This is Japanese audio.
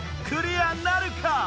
クリアなるか？